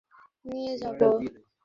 আমি নিয়ে যাবো।